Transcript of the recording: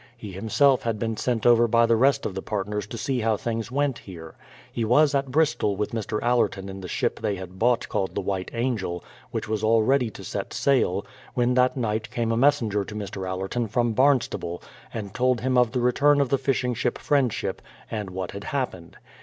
He himself had 'been sent over by the rest of the partners to see how things went here. He was at Bristol with Mr. Allerton in the ship they had bought called the White Angel, which was all ready to set sail, when that night came a messenger to Mr. Allerton from Barnstable, and told him of the return of the fishing ship Friendship, and what had happened.